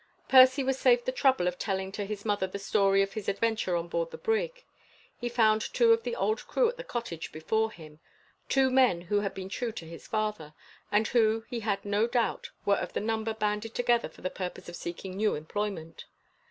Percy was saved the trouble of telling to his mother the story of his adventure on board the brig. He found two of the old crew at the cottage before him two men who had been true to his father, and who, he had no doubt, were of the number banded together for the purpose of seeking new employment.